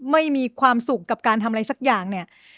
ไม่มีความสุขกับการทำอะไรสักอย่างเนี่ย